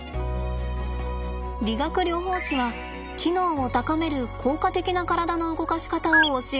理学療法士は機能を高める効果的な体の動かし方を教えてくれました。